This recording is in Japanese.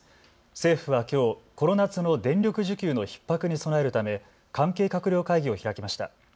政府はきょう、この夏の電力需給のひっ迫に備えるため関係閣僚会議を開きました。